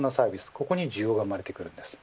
ここに需要が生まれてくるんです。